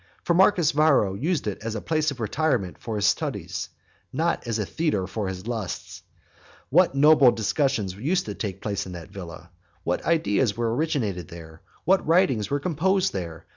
For Marcus Varro used it as a place of retirement for his studies, not as a theatre for his lusts. What noble discussions used to take place in that villa! what ideas were originated there! what writings were composed there!